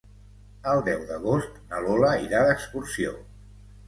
El deu d'agost na Lola irà d'excursió.